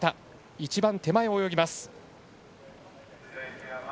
１番手前、泳ぎます。